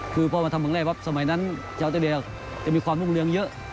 คือพอมาทำเมืองแรกปั๊บสมัยนั้นชาวเตรเลียจะมีความรุ่งเรืองเยอะ